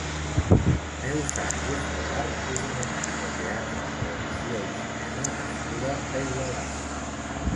Neus Sanz i Escobar és una actriu de teatre, televisió i cinema nascuda a Igualada.